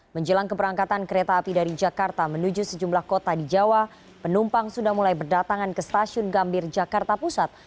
menjelang keberangkatan kereta api dari jakarta menuju sejumlah kota di jawa penumpang sudah mulai berdatangan ke stasiun gambir jakarta pusat